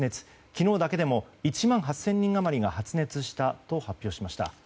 昨日だけでも１万８０００人余りが発熱したと発表しました。